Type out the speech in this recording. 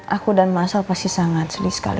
aku dan masal pasti sangat selih sekali